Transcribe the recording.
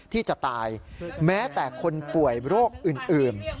ที่จะตายแม้แต่คนป่วยโรคอื่น